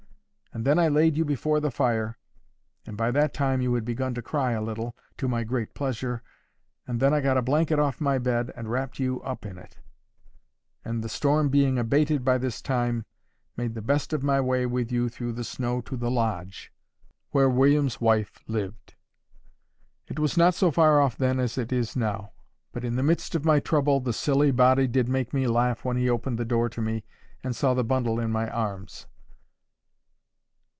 And then I laid you before the fire, and by that time you had begun to cry a little, to my great pleasure, and then I got a blanket off my bed, and wrapt you up in it; and, the storm being abated by this time, made the best of my way with you through the snow to the lodge, where William's wife lived. It was not so far off then as it is now. But in the midst of my trouble the silly body did make me laugh when he opened the door to me, and saw the bundle in my arms.